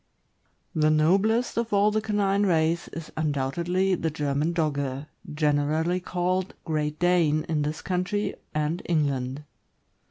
>HE noblest of all the canine race is undoubtedly the German Dogge, generally called Great Dane in this country and England.